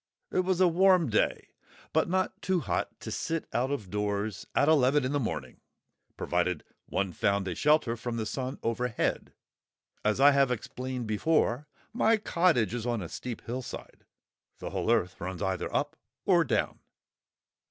It was a warm day, but not too hot to sit out of doors at eleven in the morning, provided one found a shelter from the sun overhead. As I have explained before, my cottage is on a steep hillside, the whole earth runs either up or down.